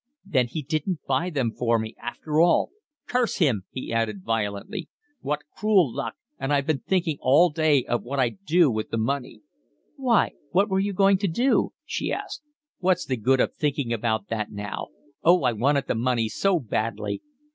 "Then he didn't buy them for me after all. Curse him," he added violently. "What cruel luck! And I've been thinking all day of what I'd do with the money." "Why, what were you going to do?" she asked. "What's the good of thinking about that now? Oh, I wanted the money so badly."